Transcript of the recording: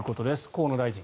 河野大臣。